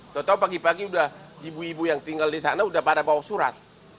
tau tau pagi pagi udah ibu ibu yang tinggal di sana sudah pada bawa surat